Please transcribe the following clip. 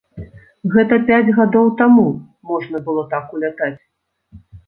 Гэта пяць гадоў таму можна было так улятаць.